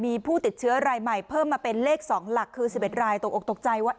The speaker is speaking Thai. มีผู้ติดเชื้อรายใหม่เพิ่มมาเป็นเลข๒หลักคือ๑๑รายตกออกตกใจว่า